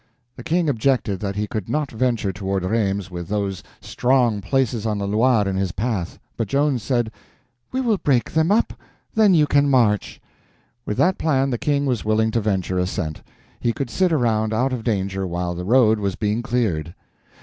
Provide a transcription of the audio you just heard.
The King objected that he could not venture toward Rheims with those strong places on the Loire in his path. But Joan said: "We will break them up. Then you can march." With that plan the King was willing to venture assent. He could sit around out of danger while the road was being cleared.